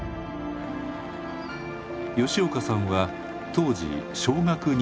吉岡さんは当時小学２年生。